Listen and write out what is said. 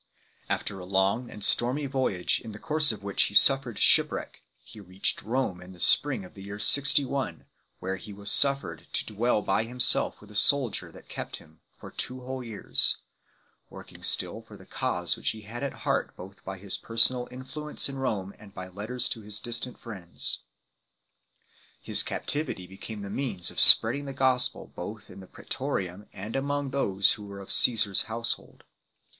After a long and stormy voyage, in the course of which he suffered shipwreck, he reached Rome in the spring of the year 61, where he " was suffered to dwell by himself with a soldier that kept " for two whole years, working still for the cause him which he had at heart both by his personal influence in Rome and by letters to his distant friends. His captivity became the means of spreading the gospel both in the Prae torium and among "those that were of Caesar s household 3